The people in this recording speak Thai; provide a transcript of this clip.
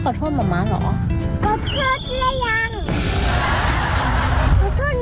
ขอโทษหนูได้ไม่ใช่ขอโทษหนู